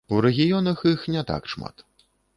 У рэгіёнах іх не так шмат.